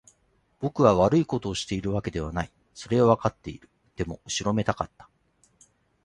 僕は悪いことをしているわけではない。それはわかっている。でも、後ろめたかった。